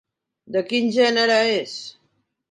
De quin gènere és?